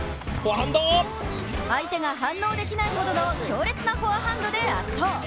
相手が反応できないほどの強烈なフォアハンドで圧倒。